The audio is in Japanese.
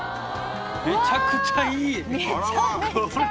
めちゃめちゃいい。